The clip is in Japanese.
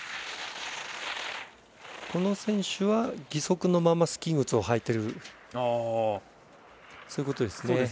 この選手は義足のままスキー靴を履いているということですね。